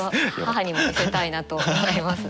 母にも見せたいなと思います。